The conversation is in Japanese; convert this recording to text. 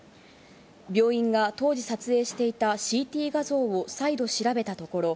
病院が当時撮影していたＣＴ画像を再度調べたところ